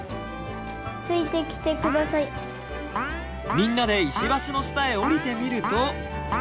みんなで石橋の下へ下りてみると。